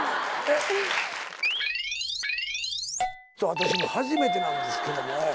私ね初めてなんですけどね。